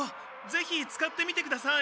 ぜひ使ってみてください。